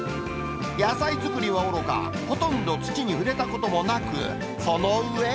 野菜作りはおろか、ほとんど土に触れたこともなく、その上。